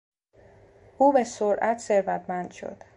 او به سرعت ثروتمند شد.